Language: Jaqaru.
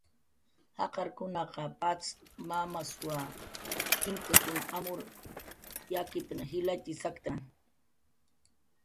jaqarkunaq patz mamasw imtaskun amur yakipna jilatxi saktna